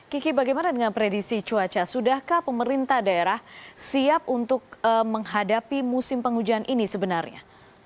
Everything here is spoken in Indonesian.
kiki bagaimana dengan predisi cuaca sudahkah pemerintah daerah siap untuk menghadapi musim penghujan ini sebenarnya